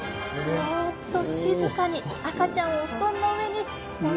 そっと静かに赤ちゃんを布団の上におろすように。